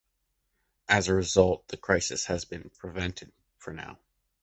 As a result the crisis has been prevented for now.